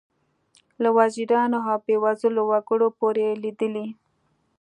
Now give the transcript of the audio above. له وزیرانو او بې وزلو وګړو پورې لیدلي.